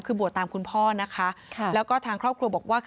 คือบวชตามคุณพ่อนะคะแล้วก็ทางครอบครัวบอกว่า